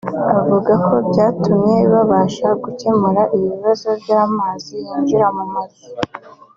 avuga ko byatumye babasha gukemura ikibazo cy’amazi yinjiraga mu nzu